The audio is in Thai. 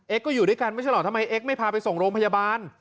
ก็อยู่ด้วยกันไม่ใช่เหรอทำไมเอ็กซไม่พาไปส่งโรงพยาบาล